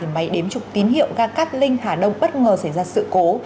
máy đếm trục tín hiệu ga cát linh hà đông bất ngờ xảy ra sự cố